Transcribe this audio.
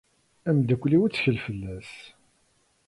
Amdakel-iw ttekle? fell-as.